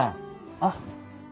あっ。